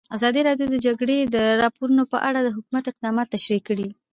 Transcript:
ازادي راډیو د د جګړې راپورونه په اړه د حکومت اقدامات تشریح کړي.